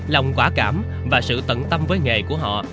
lòng quả cảm và sự tận tâm với nghề của họ